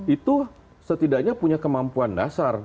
itu setidaknya punya kemampuan dasar